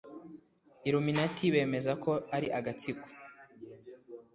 iluminati bemeza ko ari agatsiko